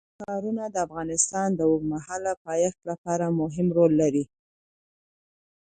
ښارونه د افغانستان د اوږدمهاله پایښت لپاره مهم رول لري.